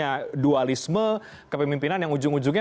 apa otokritik kita terhadap pengelolaan parpol yang kemudian kerenetetannya